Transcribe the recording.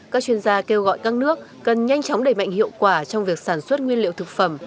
các chuyên gia kêu gọi các nước cần nhanh chóng đẩy mạnh hiệu quả trong việc sản xuất nguyên liệu thực phẩm